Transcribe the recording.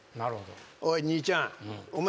「おい兄ちゃんお前」